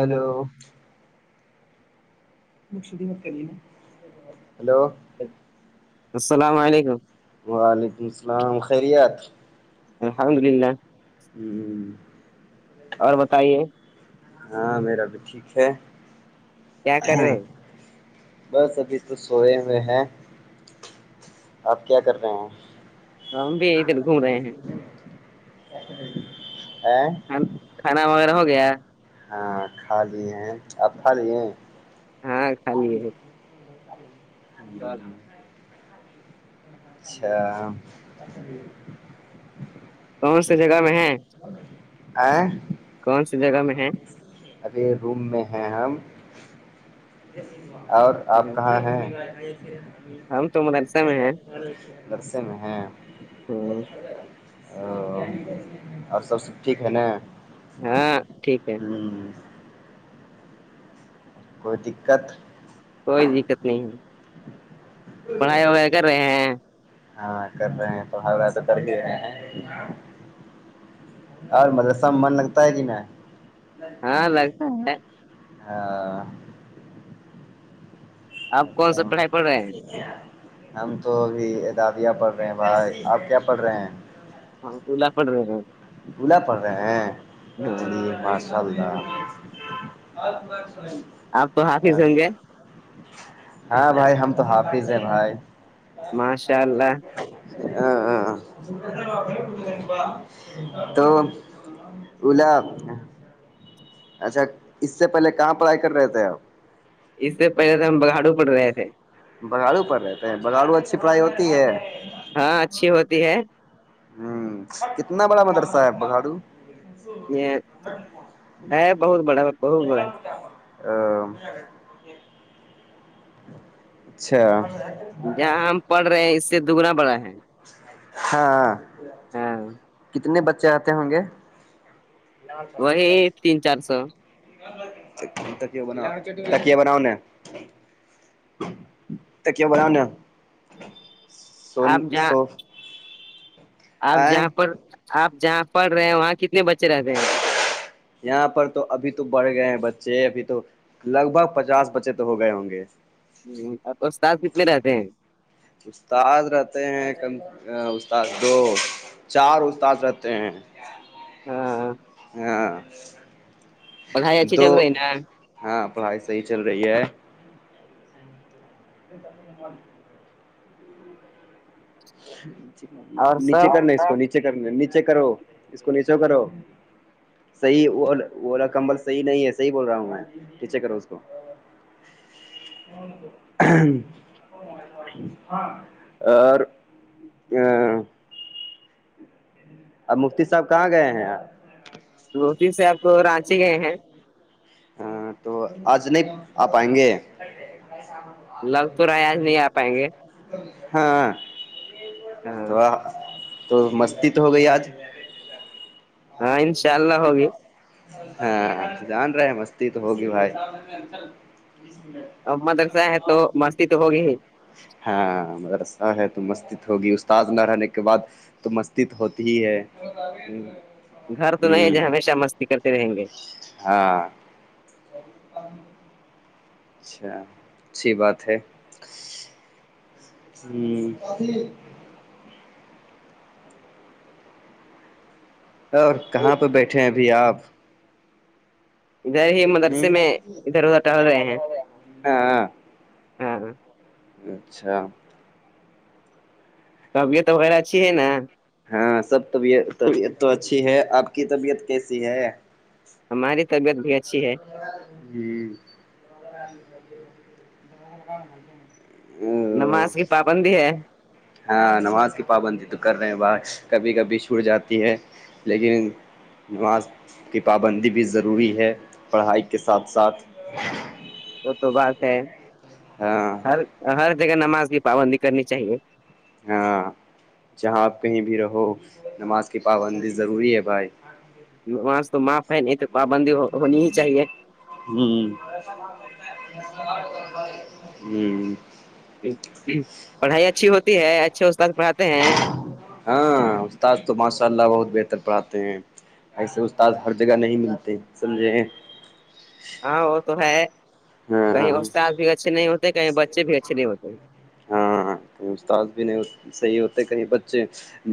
Hello hello السلام علیکم وعلیکم السلام خیریت ہاں ہاں د لینلہ ہمم اور بتائیے ہاں میرا بھی ٹھیک ہے کیا کر رہے ہیں بس ابھی تو سوئے ہوئے ہیں آپ کیا کر رہے ہیں ہم بھی ادھر گھوم رہے ہیں ا [unintelligible] کھانا وغیرہ ہو گیا ہاں کھا لی ہیں اپ کھا لیے [inaudible] ہاں کھا لیے ہیں۔ [inaudible] اچھا کون سی جگہ میں ہے ا [unintelligible] کون سی جگہ میں ہے ابھی روم میں ہے ہم اور آپ کہاں ہیں ہم تو مدرسہ میں ہیں درسے میں ہیں ہاں او اور سب سے ٹھیک ہے ن ہاں ٹھیک ہے کوئی دقت کوئی دقت نہیں ہے پڑھائی وغائی کر رہے ہیں ہاں کر رہے ہیں تو ہ ایسا کر کے اور مطل سب من لگتا ہے کہ ن ہاں لگتا ہے ہ [unintelligible] آپ کون سا پڑھائی پڑھے ہیں ا [unintelligible] ہم تو ابھی ادابیہ پڑھ رہے ہیں بھائی آپ کیا پڑھ رہے ہیں ہاں للہ پ رہے بولا پڑھ ہاں رہے ہیں جیر اد [unintelligible] آپ تو حافظ ہوں گے ہاں بھائی ہم تو حافظ ہیں بھائی ماشاء اللہ ا ہ تو الاؤ اچھا اس سے پہلے کہاں پڑھائی کر رہے تھے آپ اس سے پہلے تو ہم بگاڑو پڑ رہے تھے بگاڑو پر رہتے ہے بگاڑو اچھی پڑھائی ہوتی ہے ہاں اچھی ہوتی ہے ہوں کتنا بڑا مدرسہ ہےب بکھاڑو یہ ہے بہت بڑا بہت بڑا جتا ا [unintelligible] اچھا جہاں ہم پڑھ رہے ہیں اس سے دگنا بڑا ہے ہاں ہاں کتنے بچے چ آتے ہوں گے تین چار سو تک بناؤ تکیا بناؤ کی بولیا ہو نے سون آپ جہاں سوف آپ جہاں پرڑ آپ جہاں پڑھ رہے ہیں وہاں کتنے بچے رہتے ہیں یہاں پر تو ابھی تو بڑھ گئے ہیں بچے ابھی تو لگ بھگ پچاس بچے تو ہو گئے ہوں گے ا استاد کتنے رہتے ہیں استاد رہتے ہیں کم استاد دو چار استاد رہتے ہیں ہاں ہاں پڑھائی اچھی دو چل رہی نا ہاں پڑھائی صحی چل رہی ہے [unintelligible] اور نیچے سب کرنے اس کو نیچے کرنے نیچے کرو اس کو نیچے کرو صحیح الا کمبل صح نہیں ہے صح بول رہا ہوں میں چ کروں اس کو [unintelligible] اور [unintelligible] اب مفتی صاحب کہاں گئے ہیں آپ روٹی سے آپ کو رانچے گئے ہیں ہاں تو آج نہیں آ آئیں گے لگ تو رہے آج نہیں آ پائیں گے ہاں ہاں تو آ تو مستی تو ہو گئی آج ہاں انشاء اللہ ہوگی ہاں جان رہے مستی تو ہوگی بھائی ام درسا ہے تو مستی تو ہوگی ہی ہاں مدرسہ ہے تو مسجد ہوگی استاد نہ رہنے کے بعد تو مستید ہوتی ہی ہے ہ گھر تو نہیں ہ جو ہمیشہ مستی کرتے رہیں گے ہاں [unintelligible] اچھا اچچی بات ہے ہوں اور کہاں پہ بیٹھے ہیں ابھی آپ ادھر ہی ہ مدرسے میں ادھر ادھر ٹہل رہے ہیں ہاں ہاں اچھا طبیعت وغیرہ اچھی ہے نا ہاں سب طبیت طبیعت تو اچھی ہے آپ کی طبیعت کیسی ہے ہماری طبیعت بھی اچھی ہے جی نماز کی پابندی ہے ہاں نماز کی پابندی تو کر رہے ہیں باہر کبھی کبھی چھوٹ جاتی ہے لیکن نماز کی پابندی بھی ضروری ہے پڑھائی کے ساتھ ساتھ وہ تو بات ہے ہاں ہر ہر جگہ نماز کی پابندی کرنی چاہیے ہاں جہاں آپ کہیں بھی رہو نماز کی پابندی ضروری ہے بھائی وہاں سے تو معاف ہے نہیں تو پابندی ہونی ہی چاہیے ہوں ہوں پڑھائی اچھی ہوتی ہے اچھے استاد پڑھ ہاں استاد تو ماشاء اللہ بہت بہتر پڑھاتے ہیں ایسے استاد ہر جگہ نہیں ملتے سمجھے ہاں وہ تو ہے کہیں ہاں استاد بھی اچھے نہیں ہوتے کہیں بچے بھی اچھے نہیں ہوتے ہاں کہیں استاد بھی نہیں صحیح ہوتے کہیں بچے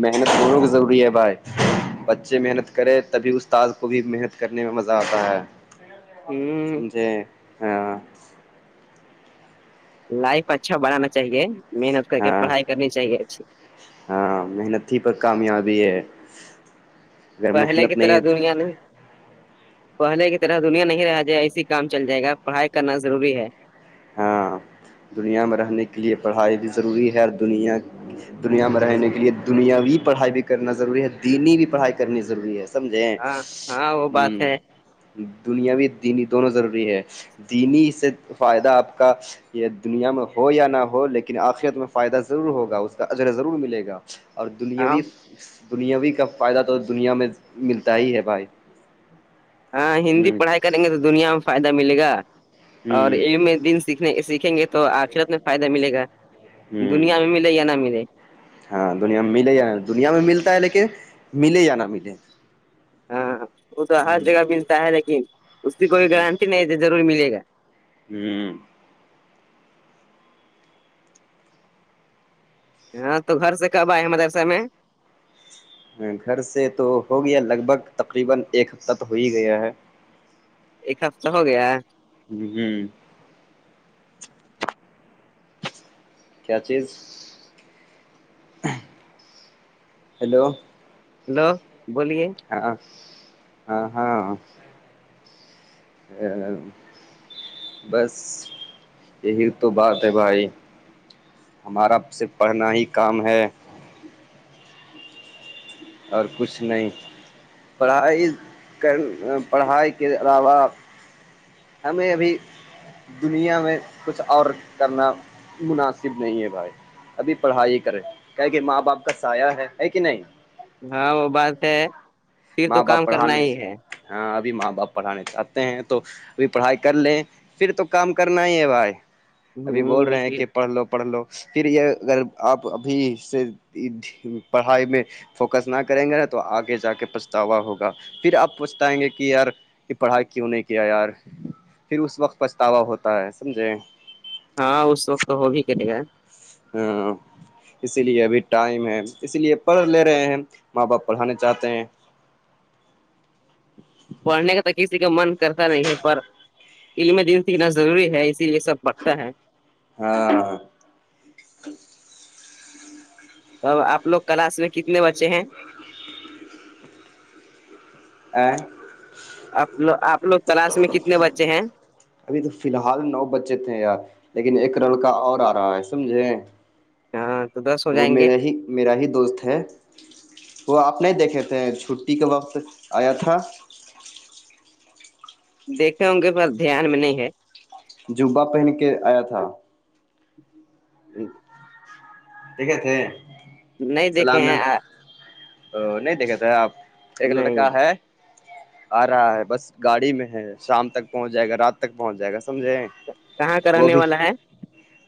محنت کروں کی ضروری ہے بھائی بچے محنت کرے تبھی استاد کو بھی محنت کرنے میں مزہ آتا ہے ہ سمجھے لائف اچھا بڑھانا چاہیے محنت کر کے ہاں پڑھائی کرنی چاہیے اچھی ہاں محنت ہی پر کامیابی ہے اگر پہلے کی محنت نہیں طرح دنیا میں پہلے کی طرح دنیا نہیں رہ جائے ایسی کام چل جائے گا پڑھائی کرنا ضروری ہے ہاں دنیا میں رہنے کے لیے پڑھائی بھی ضروری ہے دنیا دنیا میں رہنے کے لیے دنیاوی پڑھائی بھی کرنا ضروری ہے دینی بھی پڑھائی کرنی ضروری ہے سمجھےیں ہاں ہاں وہ بات ہوں ہے دنیا بھی دینی دونوں ضروری ہے دینی سے فائدہ آپ کا یہ دنیا میں ہو یا نہ ہو لیکن آخرت میں فائدہ ضرور ہوگا اس کا اجرا ضرور ملے گا اور ہاں دنیاوی دنیاوی کا فائدہ تو دنیا میں ملتا ہی ہے بھائی ہاں ہندی ہوں پڑھائی کریں گے تو دنیا میں فائدہ ملے گا اور ہوں علم دن سنے سیکھیں گے تو آخرت میں فائدہ ملے گا ہوں دنیا میں ملے یا نہ ملے ہاں دنیا میں ملے یا دنیا میں ملتا ہے لیکن ملے یا نہ ملے ہاں ہاں وہ تو ہر ہوں جگہ ملتا ہے لیکن اس کی کوئی گارنٹی نہیں ضرور ملے گا ہوں ہاں تو گھر سے کب آئے مدرسہ میں گھر سے تو ہو گیا لگ بھگ تقریبا ایک ہفتہ تو ہو ہی گیا ہے ایک ہفتہ ہو گیا جی کیا چیز ہیلو ہیلو بولیے ہاں ہاں ہاں بس یہی تو بات ہے بھائی ہمارا صرف پڑھنا ہی کام ہے اور کچھ نہیں پڑھائی کر پڑھائی کے علاوہ ہمیں ابھی دنیا میں کچھ اور کرنا مناسب نہیں ہے بھائی ابھی پڑھائی کرے کیا کہ ماں باپ کا سایہ ہے ہے کہ نہیں ہاں وہ بات ہے پھر تو ماں باپ کام کرنا پڑھانے ہی سے ہے ہاں ابھی ماں باپ پڑھانا چاہتے ہیں تو ابھی پڑھائی کر لیں پھر تو کام کرنا ہی ہے بھائی ابھی بول ہ رہے ہیں پھر کہ پڑھ لو پڑھ لو پھر یہ اگر آپ ابھی سے پڑھائی میں فوکس نہ کریں گے نا تو آگے جا کے پچ تاا ہوگا پھر آپ پوچھتاائیں گے کہ یار یہ پڑھائی کیوں نہیں کیا یار پھر اس وقت پچھتاوا ہوتا ہے سمجھے ہاں اس وقت تو ہو بھی کرے گا ہاں اسی لیے ابھی ٹائم ہے اسی لیے پڑھ لے رہے ہیں ماں باپ پڑھانے چاہتے ہیں [inaudible] [inaudible] پڑھنے کا تو کسی کا من کرتا نہیں ہے پر ایمرجنسینا ضروری ہے اسی لیے سب بڑھتا ہے ہاں توب آپ لوگ کلاس میں کتنے بچے ہیں ا [unintelligible] آپو آپ لوگ کلاس میں کتنے بچے ہیں ابھی تو فی الحال نو بچے تھے یار لیکن ایک لڑکا اور آ رہا ہے سمجھے ہاں تو دس ہو وہ جائیں گے میرا ہی میرا ہی دوست ہے وہ آپ نہیں دیکھے تھے ہیں چھٹی کے وقت آیا تھا دیکھیں ہوں گے پر دھیان میں نہیں ہے جوبہ پہن کے آیا تھا جی [unintelligible] دیکھے تھے نہیں دیکھے سلام ہیں آ- نہیں دیکھے تھے آپ ایک نہیں لڑکا ہے آ رہا ہے بس گاڑی میں ہے شام تک پہنچ جائے گا رات تک پہنچ جائے گا سمجھے کہاں کا وہ رہنے بھی والا ہے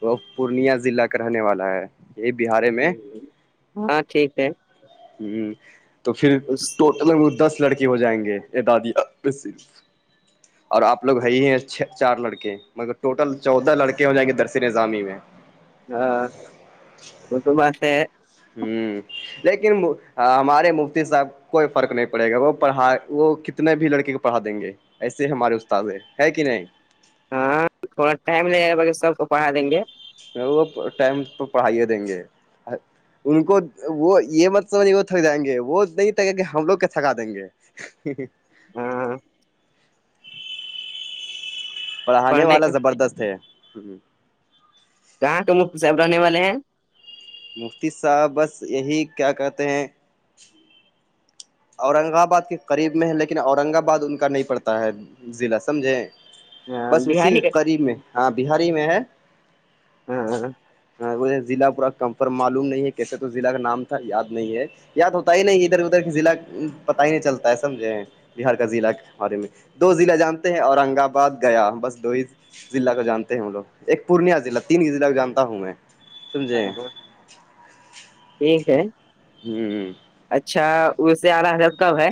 وہ پورنیہ ضلع کا رہنے والا ہے یہ بہار ہ ہاں ٹھیک ہے ہ تو پھر اس ٹوٹل دس لڑکے ہو جائیں گے ا دادی صرف [inaudible] اور آپ لوگ ہے ہیںھ چار لڑکے مگر ٹوٹل چودہ لڑکے ہیں جاے درس نظامی میں ہاں وہ تو بات ہے ہوں لیکن ہمارے مفتی صاحب کوئی فرق نہیں پڑے گا وہ پڑھا وہ کتنے بھی لڑکے کو پڑھا دیں گے ایسے ہی ہمارے استاد ہے کہ نہیں ہاں تھوڑا ٹائم لگےائے گا باقہ سب کو پڑھا دیں گے وہ ٹائم پ پڑھائیے دیں گے ان کو وہ یہ مطلب نہیں وہ تھک جائیں گے وہ نہیں تھکیں گے ہم لوگ کیا تھکا دیں گے ہ ہ [inaudible] ہاں ہاں پڑھانے پڑھنے والا زبردست ہے کہاں کا مفتی صاحب رہنے والے ہیں مفتی صاحب بس یہی کیا کہتے ہیں اورنگ آباد کے قریب میں ہے لیکن اورنگ آباد ان کا نہیں پڑتا ہے ضلع سمجھیں ہاں بس اسی کے بہاری قریب میں ہاں بہاری میں ہے ہاں ہاں ہاں وہ ض پورا کم معلوم نہیں ہے کیسے تو ضلع کا نام تھا یاد نہیں ہے یاد ہوتا ہی نہیں ادھر ادھر کے ضلع پت ہی نہیں چلتا ہے سمجھے بہار کا ضلع بارے میں دو ضلع جانتے ہیں اورنگ آباد گیا بس دو ہی ضلع کو جانتے ہیں ہم لوگ ایک پورنیہ ضلع تین ہی ضلع کو جانتا ہوں میں سمجھے یہک [unintelligible] ہوں اچھا اس سے آھا ہزار کب ہے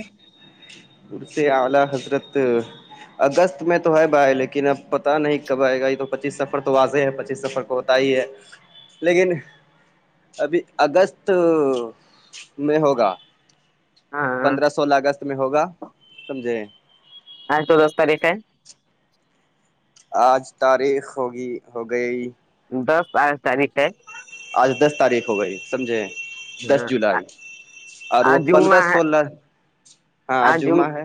دور سے آولہ حضرت [unintelligible] اگست میں تو ہے بھائی لیکن اب پتا نہیں کب آئے گا یہ تو پچیس سفر تو واضح ہے پچیس سفر کا ہوتا ہی ہے لیکن ابھی اگست میں ہوگا ہاں پندرہ سولہ اگست میں ہوگا سمجھے ہاں چود دس تاریخ ہے آج تاریخ ہوگی ہو گئی دس آٹس تاریخ ہے آج دس تاریخ ہو گئی سمجھیں دس جولائی اور وہ آج پندرہ جمعہ ہے سولہ ہاں آج ج جمعہ ہے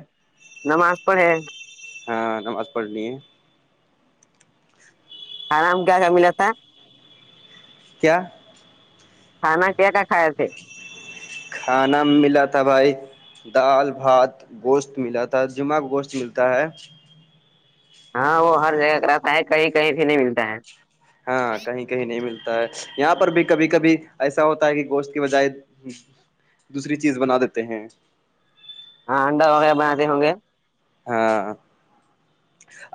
نماز پڑھے ہاں نماز پڑھنی ہے آرام کیا کیا ملا تھا کیا کھانا کیا کیا کھائے تھے کھانا ملا تھا بھائی دال بھات گوشت ملااتتا جمہ کا گوشت ملتا ہے ہاں وہ ہر جگہ کا رہتا ہے کہیں کہیں بھی نہیں ملتا ہے ہاں کہیں کہیں نہیں ملتا ہے یہاں پر بھی کبھی کبھی ایسا ہوتا ہے کہ گوشت کی بجائے دوسری چیز بنا دیتے ہیں ہاں ا انڈا وغیرہ بناتے ہوں گے ہاں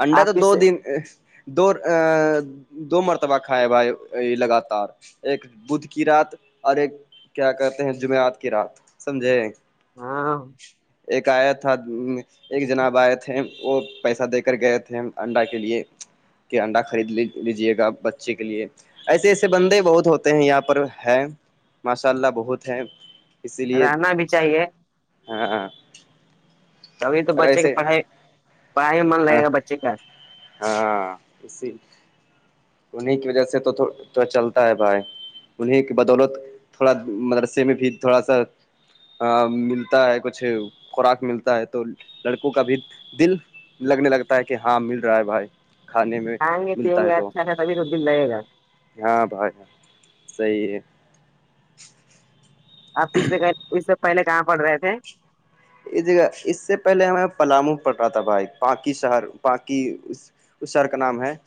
انڈا آپ تو دو کس دن دو دو مرتبہ کھائے بھائی لگاتار ایک بدھ کی رات اور ایک کیا کہتے ہیں جمعرات کی رات سمجھے ہاں ایک آیا تھا ایک جناب آئے تھے وہ پیسہ دے کے کر گئے تھے ہم انڈا کے لیے کہ انڈا خرید ل لیجیے گا بچے کے لیے ایسے ایسے بندے بہت ہوتے ہیں یہاں پر ہے ماشاء اللہ بہت ہے اسی لیے رہنا بھی چاہیے ہاں ہاں ابھی تو بچے کا پڑھائی پڑھائی میں من ہاں لگے گا بچے کا ہاں اسی انیں کی وجہ سے تو چلتا ہے بھائی انہیں کی بدولت تھوڑا مدرسے میں بھی تھوڑا سا ملتا ہے کچھ خوراک ملتا ہے تو لڑکوں کا بھی دل لگنے لگتا ہے کہ ہاں مل رہا ہے بھائی کھانے میں کائیں گے پیئ ملتا ہے گے تو اچھا سا سبھی تو دل لگ گا ہاں بھائی صحیح ہے آپ ک سے اس سے پہلے کہاں پڑھ رہے تھے یہ جگہ اس سے پہلے ہمیں پلامو پڑ رہا تھا بھائی پاناکی شہر پاکی تو سر کا نام ہے سر